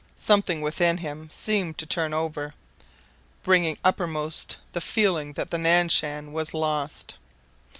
Something within him seemed to turn over, bringing uppermost the feeling that the Nan Shan was lost.